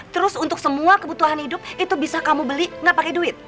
terus untuk semua kebutuhan hidup itu bisa kamu beli nggak pakai duit